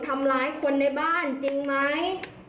ทำร้ายคนในบ้านจริงไหม